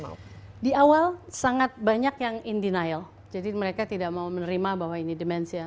mau di awal sangat banyak yang in denial jadi mereka tidak mau menerima bahwa ini demensi yang